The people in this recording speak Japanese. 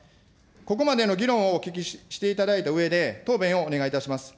ここまでの議論をお聞きしていただいたうえで、答弁をお願いいたします。